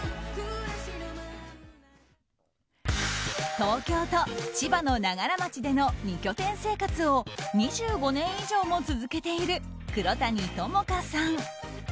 東京と千葉の長柄町での２拠点生活を２５年以上も続けている黒谷友香さん。